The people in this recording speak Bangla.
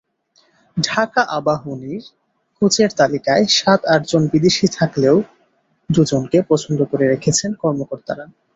ঢাকা আবাহনীর কোচের তালিকায় সাত-আটজন বিদেশি থাকলেও দুজনকে পছন্দ করে রেখেছেন কর্মকর্তারা।